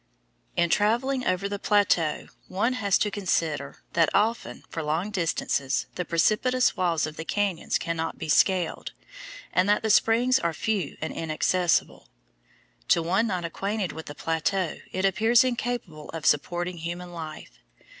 In travelling over the plateau one has to consider that often for long distances the precipitous walls of the cañons cannot be scaled, and that the springs are few and inaccessible. To one not acquainted with the plateau it appears incapable of supporting human life.